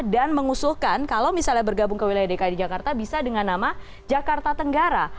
dan mengusulkan kalau misalnya bergabung ke wilayah dki jakarta bisa dengan nama jakarta tenggara